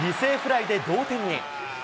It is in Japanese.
犠牲フライで同点に。